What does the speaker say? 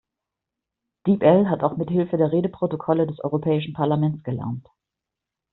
Deep-L hat auch mithilfe der Redeprotokolle des europäischen Parlaments gelernt.